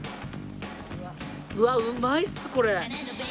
うわうまいっすこれ。